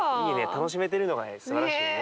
楽しめてるのがすばらしいね。